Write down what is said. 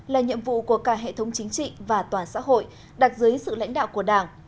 là nhiệm vụ của cả hệ thống chính trị và toàn xã hội đặt dưới sự lãnh đạo của đảng